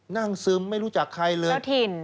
นั่งซึมไม่รู้จักใครเลย